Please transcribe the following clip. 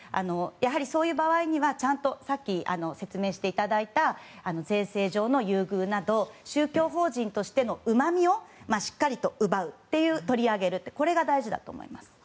やはり、そういう場合にはさっき説明していただいたような宗教法人としてのうまみをしっかりと奪う取り上げるというのが大事だと思います。